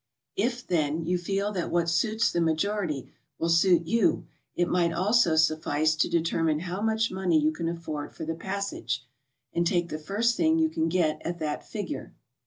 If, then, you feel that what suits the majority will suit you, it might almost suffice to determine how much money you can afford for the passage, and take the first thing you can get at that figure.